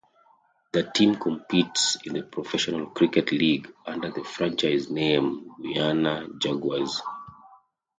The team competes in the Professional Cricket League under the franchise name Guyana Jaguars.